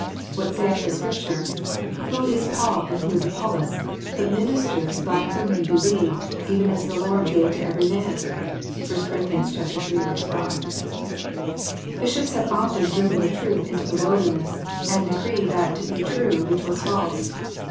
What saith the Scripture, " Who is Paul and who is Apollos, but ministers by whom ye believed, even as the Lord gave to every man ?" (1 Cor. iii. 5.) Bishops have often driven the truth into the wilderness, and decreed that to be true which was false.